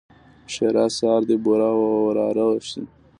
ښېرا؛ سار دې بوره وراره شي!